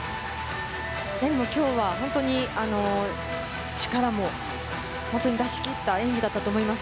でも今日は力も出しきった演技だったと思います。